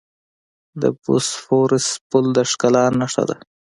د بوسفورس پل د ښکلا نښه ده.